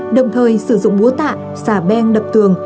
đồng thời sử dụng búa tạ xả beng đập tường